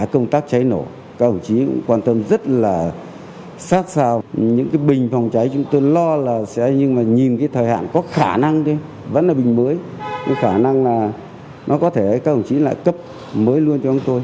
các hồng chí cũng quan tâm rất là sát sao những cái bình phòng cháy chúng tôi lo là sẽ nhưng mà nhìn cái thời hạn có khả năng thôi vẫn là bình mới cái khả năng là nó có thể các hồng chí lại cấp mới luôn cho chúng tôi